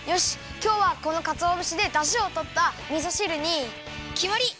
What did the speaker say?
きょうはこのかつおぶしでだしをとったみそ汁にきまり！